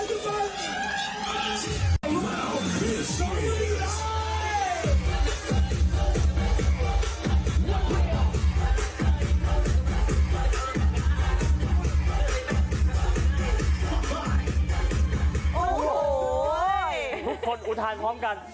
ทุกคนอุทัลพร้อมกัน